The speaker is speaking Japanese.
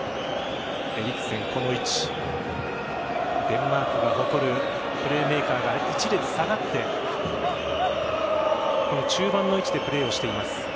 デンマークが誇るプレーメーカーが１列下がって中盤の位置でプレーをしています。